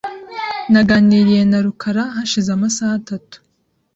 Naganiriye na rukara hashize amasaha atatu .